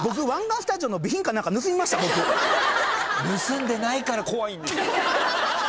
盗んでないから怖いんですよ。